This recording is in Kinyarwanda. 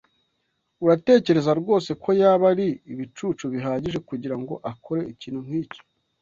Uratekereza rwose ko yaba ari ibicucu bihagije kugirango akore ikintu nkicyo?